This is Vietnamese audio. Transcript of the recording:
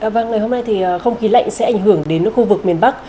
vàng lời hôm nay thì không khí lạnh sẽ ảnh hưởng đến khu vực miền bắc